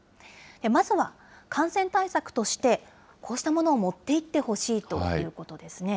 まずは、感染対策として、こうしたものを持っていってほしいということですね。